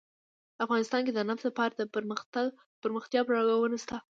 افغانستان کې د نفت لپاره دپرمختیا پروګرامونه شته.